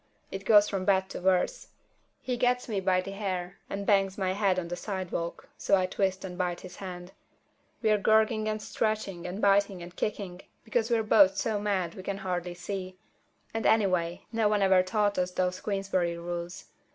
It goes from bad to worse. He gets me by the hair and bangs my head on the sidewalk, so I twist and bite his hand. We're gouging and scratching and biting and kicking, because we're both so mad we can hardly see, and anyway no one ever taught us those Queensberry rules.